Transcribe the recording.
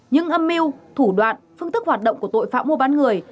những âm mưu thủ đoạn phương thức hoạt động của tội phạm mua bán người